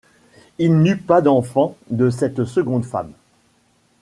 Il n'eut pas d'enfant de cette seconde femme.